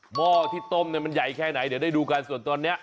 หม้อที่ต้มมันใหญ่แค่ไหนเดี๋ยวได้ดูกันส่วนตอนนี้